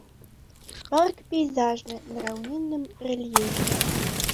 Парк пейзажны, на раўнінным рэльефе.